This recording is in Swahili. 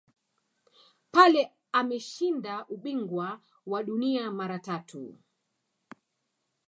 pele ameshinda ubingwa wa dunia mara tatu